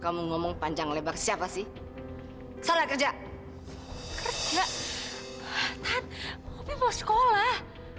kamu ngomong panjang lebar siapa sih salah kerja kerja tan opi mau sekolah